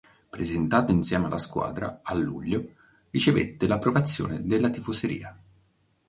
Presentato insieme alla squadra a luglio, ricevette l'approvazione della tifoseria.